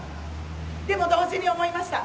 でも同時に思いました。